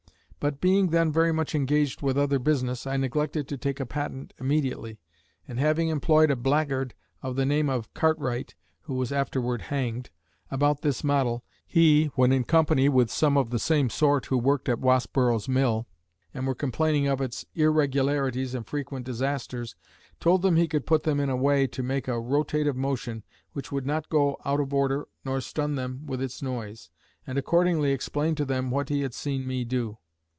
But being then very much engaged with other business, I neglected to take a patent immediately, and having employed a blackguard of the name of Cartwright (who was afterward hanged), about this model, he, when in company with some of the same sort who worked at Wasborough's mill, and were complaining of its irregularities and frequent disasters, told them he could put them in a way to make a rotative motion which would not go out of order nor stun them with its noise, and accordingly explained to them what he had seen me do.